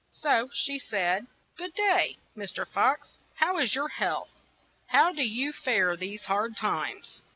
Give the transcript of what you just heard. '' So she said : "Good day, Mr. Fox, how is your health? How do you fare these hard times